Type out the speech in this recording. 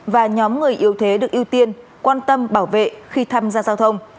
và nhóm người yếu thế được ưu tiên quan tâm bảo vệ khi tham gia giao thông